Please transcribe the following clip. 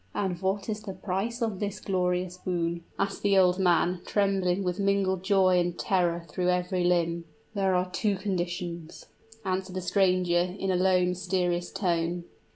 "And what is the price of this glorious boon?" asked the old man, trembling with mingled joy and terror through every limb. "There are two conditions," answered the stranger, in a low, mysterious tone.